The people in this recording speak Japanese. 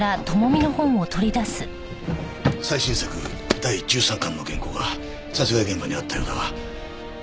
最新作第１３巻の原稿が殺害現場にあったようだが。